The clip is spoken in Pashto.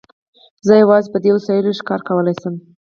زه یوازې په دې وسایلو ښکار کولای شم.